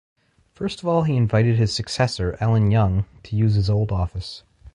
First of all he invited his successor, Ellen Young to use his old office.